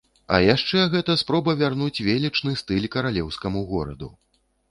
А яшчэ гэта спроба вярнуць велічны стыль каралеўскаму гораду.